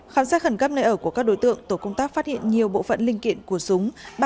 khám sát khẩn cấp nơi ở của các đối tượng tổ công tác phát hiện nhiều bộ phận linh kiện của súng